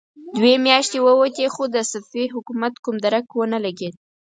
دوې مياشتې ووتې، خو د صفوي حکومت کوم درک ونه لګېد.